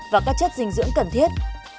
và các chất dinh dưỡng cần thiết